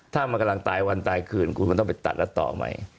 ถ้ามันกำลังตายวันตายคืนคุณมันต้องไปตัดแล้วต่อใหม่